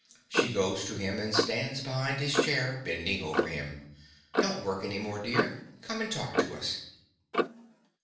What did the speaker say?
She goes to him and stands behind his chair, bending over him.) Don't work any more, dear. Come and talk to us.